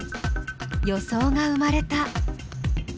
予想が生まれた。